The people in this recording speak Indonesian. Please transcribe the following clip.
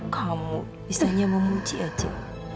kamu bisa nyamuk cuci aja